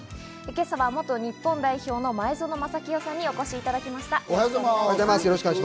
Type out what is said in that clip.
今朝は元日本代表の前園真聖さんにお越しいただきました。